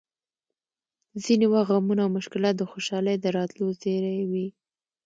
ځینې وخت غمونه او مشکلات د خوشحالۍ د راتلو زېری وي!